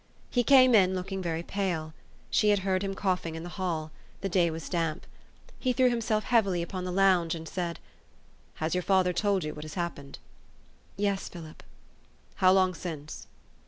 He came in looking very pale. She had heard him coughing in the hall : the day was damp. He threw himself heavily upon the lounge, and said, " Has your father told you what has happened? " "Yes, Philip." "How long since?"